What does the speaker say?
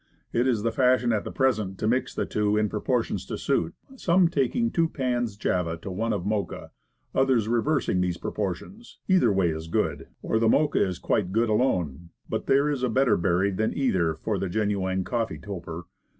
It is the fashion at present to mix the two in proportions to suit, some taking two parts Java to one of Mocha, others re versing these proportions. Either way is good, or the Mocha is quite as good alone. But there is a better berry than either for the genuine coffee toper.